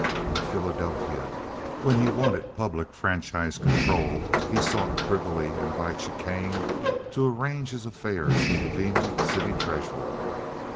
In Philadelphia, when he wanted public franchise control, he sought privily and by chicane to arrange his affairs with a venal city treasurer.